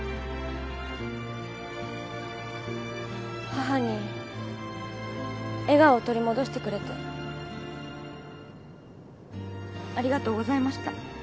母に笑顔を取り戻してくれてありがとうございました。